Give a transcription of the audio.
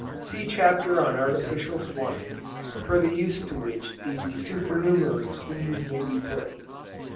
(See Chapter on Artificial Swarming, for the use to which these supernumerary queens may be put.)